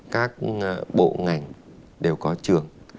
các bộ ngành đều có trường